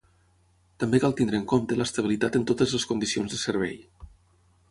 També cal tenir en compte l'estabilitat en totes les condicions de servei.